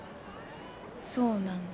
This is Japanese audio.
そうなんだ？